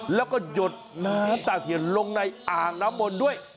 แล้วก็หยดน้ำตาเทียนลงในอ่างน้ำมนต์ด้วย